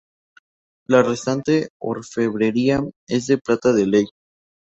La restante orfebrería es de plata de ley.